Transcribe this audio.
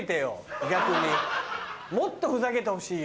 逆にもっとふざけてほしいよ。